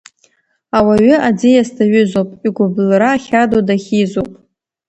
Ауаҩы, аӡиас даҩызоуп, игәыбылра ахьаду дахьизоуп.